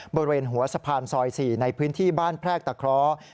บริเวณหัวสะพานซอย๔ในพื้นที่บ้านแพรกตะเคราะห์